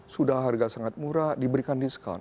sudah harga sangat murah diberikan diskon